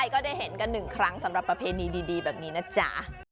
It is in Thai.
ก็ได้เห็นกัน๑ครั้งสำหรับประเพณีดีแบบนี้นะจ๊ะ